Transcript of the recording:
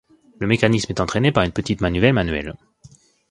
Le mécanisme est entrainé par une petite manivelle manuelle.